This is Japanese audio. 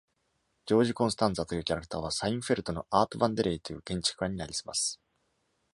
ジョージ・コンスタンザというキャラクターは「サインフェルト」の「アート・ヴァンデレイ」という建築家になりすます。